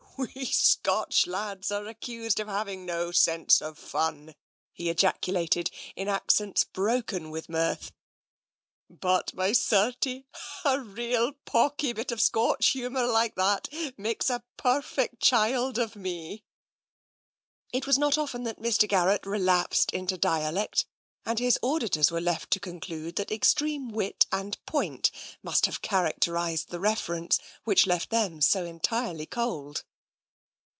" We Scotch lads are accused of having no sense of fun,'* he ejaculated, in accents broken with mirth, " but, my certie, a real pawky bit of Scotch humour like that makes a perfect child of me! " It was not often that Mr. Garrett relapsed into dialect, and his auditors were left to conclude that extreme wit and point must have characterised the reference which had left them so entirely cold.